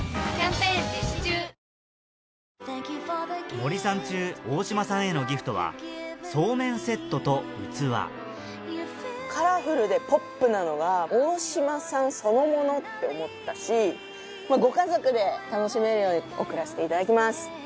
森三中・大島さんへのギフトはそうめんセットと器カラフルでポップなのが大島さんそのものって思ったしご家族で楽しめるように贈らせていただきます。